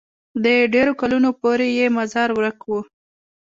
د ډېرو کلونو پورې یې مزار ورک وو.